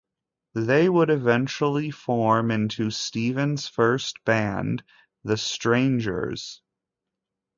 They would eventually form into Steven's first band, The Strangeurs.